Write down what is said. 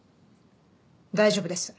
大丈夫です。